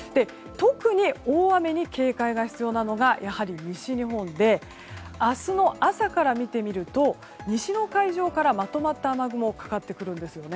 特に大雨に警戒が必要なのがやはり西日本で明日の朝から見てみると西の海上からまとまった雨雲がかかってくるんです。